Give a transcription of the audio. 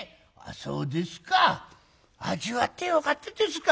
そうですか味わってよかったですか。